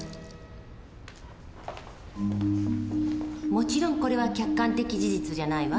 もちろんこれは客観的事実じゃないわ。